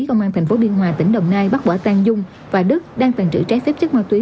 công an thành phố biên hòa tỉnh đồng nai bắt bỏ tàn dung và đức đang tàn trữ trái phép chất ma túy